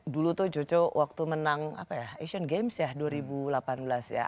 dulu tuh joco waktu menang asian games ya dua ribu delapan belas ya